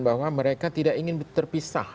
bahwa mereka tidak ingin terpisah